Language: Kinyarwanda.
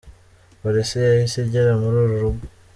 Polisi yahise igera muri uru rugo.